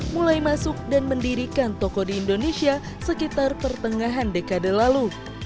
mulai masuk dan mendirikan toko di indonesia sekitar pertengahan dekade lalu